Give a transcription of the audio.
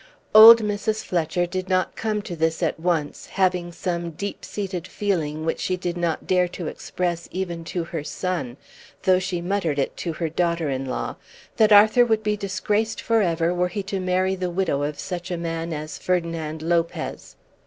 Old Mrs. Fletcher did not come to this at once, having some deep seated feeling which she did not dare to express even to her son, though she muttered it to her daughter in law, that Arthur would be disgraced for ever were he to marry the widow of such a man as Ferdinand Lopez.